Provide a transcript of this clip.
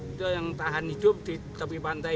itu yang tahan hidup di tepi pantai